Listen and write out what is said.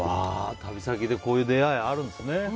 旅先でこういう出会いあるんですね。